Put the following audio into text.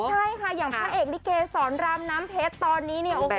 ใช่ค่ะอย่างพระเอกลิเกสรรามน้ำเพชรตอนนี้เนี่ย